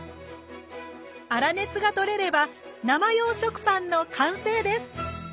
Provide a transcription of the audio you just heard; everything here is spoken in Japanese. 粗熱が取れれば生用食パンの完成です！